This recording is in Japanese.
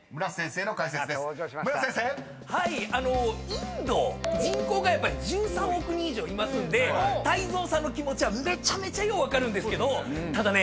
インド人口が１３億人以上いますんで泰造さんの気持ちはめちゃめちゃよう分かるんですけどただね